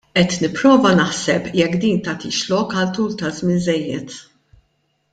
Qed nipprova naħseb jekk din tagħtix lok għal tul ta' żmien żejjed.